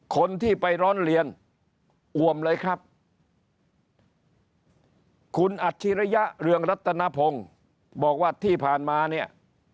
คนที่ไปร้องเรียนอวมเลยครับคุณอัจฉริยะเรืองรัตนพงศ์บอกว่าที่ผ่านมาเนี่ย